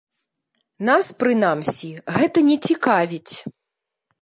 Нас, прынамсі, гэта не цікавіць.